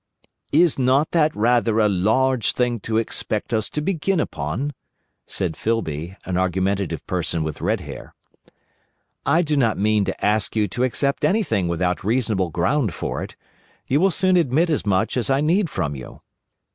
"Is not that rather a large thing to expect us to begin upon?" said Filby, an argumentative person with red hair. "I do not mean to ask you to accept anything without reasonable ground for it. You will soon admit as much as I need from you.